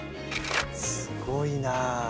すごいな。